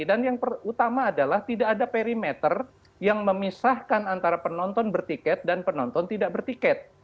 dan yang utama adalah tidak ada perimeter yang memisahkan antara penonton bertiket dan penonton tidak bertiket